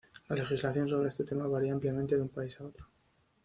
La legislación sobre este tema varía ampliamente de un país a otro.